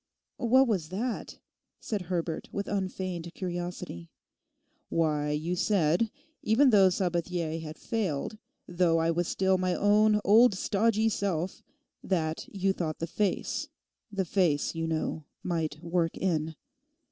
'What was that?' said Herbert with unfeigned curiosity. 'Why, you said even though Sabathier had failed, though I was still my own old stodgy self, that you thought the face—the face, you know, might work in.